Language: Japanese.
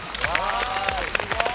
すごい。